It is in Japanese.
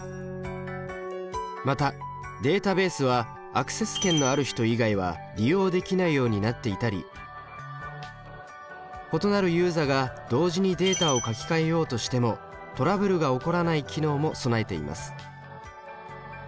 またデータベースはアクセス権のある人以外は利用できないようになっていたり異なるユーザが同時にデータを書き換えようとしてもトラブルが起こらない機能も備えています。